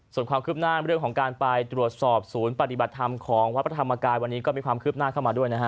ส่วนความคืบหน้าเรื่องของการไปตรวจสอบศูนย์ปฏิบัติธรรมของวัดพระธรรมกายวันนี้ก็มีความคืบหน้าเข้ามาด้วยนะฮะ